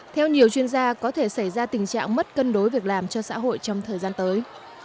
theo nhiều chuyên gia có thể xảy ra tình trạng mất cân đối việc làm cho xã hội trong thời gian tới